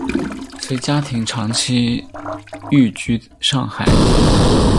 随家庭长期寓居上海。